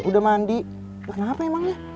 udah mandi kenapa emangnya